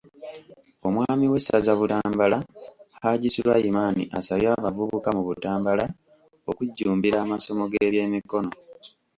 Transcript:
Omwami w'essaza Butambala, Hajji Sulaiman asabye abavubuka mu Butambala okujjumbira amasomo g'ebyemikono.